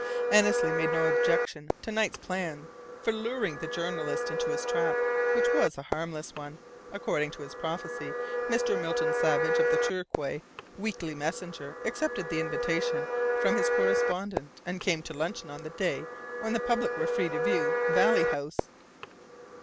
Annesley made no objection to Knight's plan for luring the journalist into his "trap," which was a harmless one. According to his prophecy, Mr. Milton Savage of the Torquay Weekly Messenger accepted the invitation from his correspondent, and came to luncheon on the day when the public were free to view Valley House.